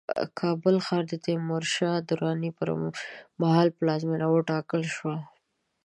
کابل ښار د تیمورشاه دراني پرمهال پلازمينه وټاکل شوه